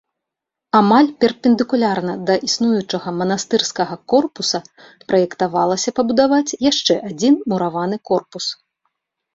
Амаль перпендыкулярна да існуючага манастырскага корпуса праектавалася пабудаваць яшчэ адзін мураваны корпус.